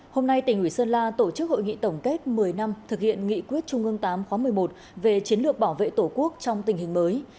hôm nay tỉnh ủy sơn la tổ chức hội nghị tổng kết một mươi năm thực hiện nghị quyết trung ương tám khóa một mươi một về chiến lược bảo vệ tổ quốc trong tình hình mới